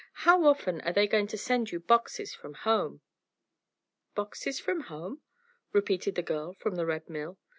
"How often are they going to send you boxes from home?" "Boxes from home?" repeated the girl from the Red Mill.